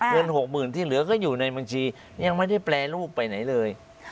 หกหมื่นที่เหลือก็อยู่ในบัญชียังไม่ได้แปรรูปไปไหนเลย